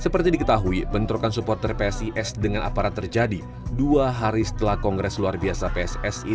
seperti diketahui bentrokan supporter psis dengan aparat terjadi dua hari setelah kongres luar biasa pssi